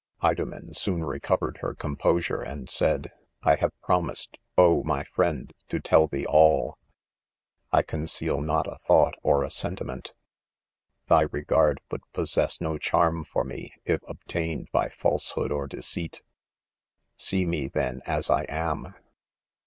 "Idomen soon recovered her composure^ and said': — 6 I have promised, oh! my friend, to tell thee all | 1 conceal not a thought or a sentiment 5 thy regard would possess no charm for me, if; obtained by falsehood or deceit._ ' i See me, then* as I am